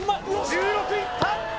１６いった！